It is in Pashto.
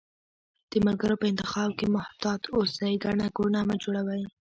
د ملګرو په انتخاب کښي محتاط اوسی، ګڼه ګوڼه مه جوړوی